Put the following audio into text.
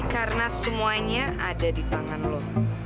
karena semuanya ada di tangan lu